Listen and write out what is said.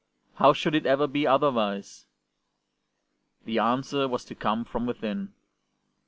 How should it ever be otherwise ? The answer was to come from within.